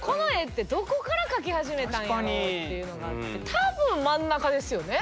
多分真ん中ですよね？